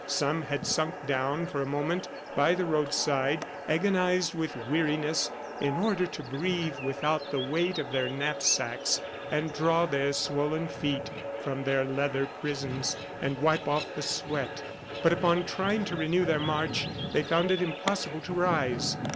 Some had sunk down for a moment by the roadside, agonized with weariness, in order to breathe without the weight of their knapsacks, and draw their swollen feet from their leather prisons, and wipe off the sweat; but upon trying to renew their march, they found it impossible to rise.